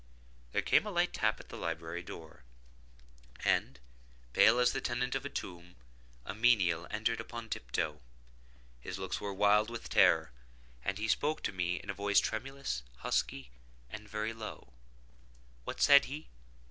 There came a light tap at the library door—and, pale as the tenant of a tomb, a menial entered upon tiptoe. His looks were wild with terror, and he spoke to me in a voice tremulous, husky, and very low. What said he?